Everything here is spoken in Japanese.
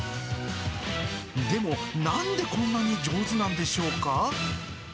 でも、なんでこんなに上手なんでしょうか。